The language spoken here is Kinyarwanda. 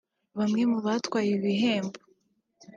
Bamwe mu batwaye ibi bihembo